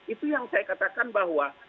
itu yang saya katakan bahwa